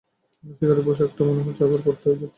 শিকারীর পোষাকটা মনে হচ্ছে এবার পরতেই যাচ্ছো।